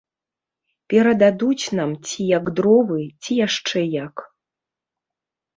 Перададуць нам ці як дровы, ці яшчэ як.